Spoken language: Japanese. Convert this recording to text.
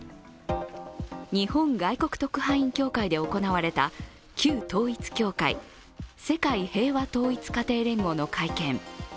日本外国特派員協会で行われた旧統一教会、世界平和統一家庭連合の会見。